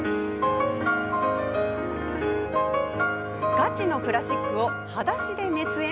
がちのクラシックをはだしで熱演？